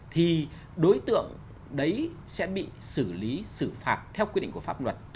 thì đối tượng đấy sẽ bị xử lý xử phạt theo quy định của pháp luật